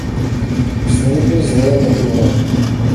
Znovu byl zvolen na druhé.